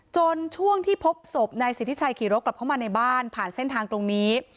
ช่วงที่พบศพนายสิทธิชัยขี่รถกลับเข้ามาในบ้านผ่านเส้นทางตรงนี้